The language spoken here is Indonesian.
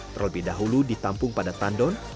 terlebih dahulu ditampung pada tandon